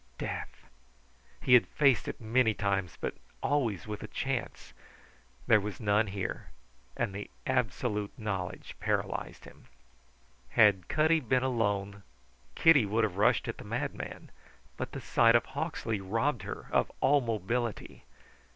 Death! He had faced it many times, but always with a chance. There was none here, and the absolute knowledge paralyzed him. Had Cutty been alone Kitty would have rushed at the madman; but the sight of Hawksley robbed her of all mobility.